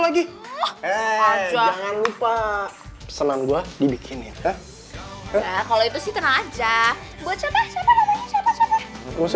lagi eh jangan lupa pesanan gua dibikinin kalau itu sih tenang aja gue capek capek